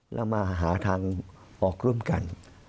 แล้วมาหาทางออกร่วมกัน